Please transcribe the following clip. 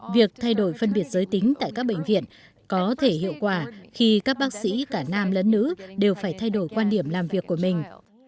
việc thay đổi phân biệt giới tính tại các bệnh viện có thể hiệu quả khi các bác sĩ cả nam lẫn nữ đều phải thay đổi quan điểm làm việc của mình